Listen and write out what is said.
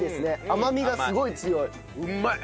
甘みがすごい強い。